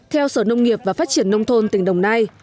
theo sở nông nghiệp và phát triển nông thôn tỉnh đồng nai